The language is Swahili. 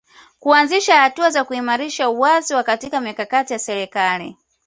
Kuanzisha hatua za kuimarisha uwazi wa katika mikakati ya serikali